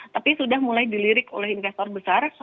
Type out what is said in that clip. tapi sudah mulai dilirik oleh investor besar